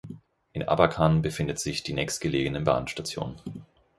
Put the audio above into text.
In Abakan befindet sich die nächstgelegene Bahnstation.